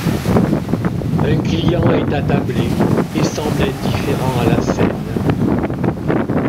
Un client est attablé et semble indifférent à la scène.